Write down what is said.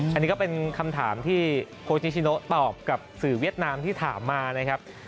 อันนี้ก็เป็นคำถามที่โค้ชนิชิโนตอบกับสื่อเวียดนามที่ถามมานะครับ